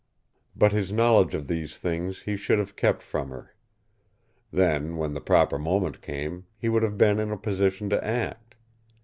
But his knowledge of these things he should have kept from her. Then, when the proper moment came, he would have been in a position to act.